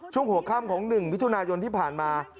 ช่วงหัวข้ามของหนึ่งวิทุนายนที่ผ่านมา